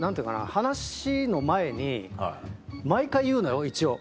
話の前に毎回言うのよ一応。